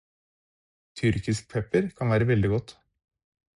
Tyrkisk pepper kan være veldig godt.